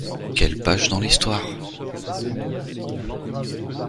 Quelle page dans l’histoire !…